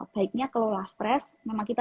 baiknya kelola stres memang kita